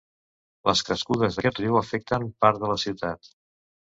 Les crescudes d'aquest riu afecten part de la ciutat.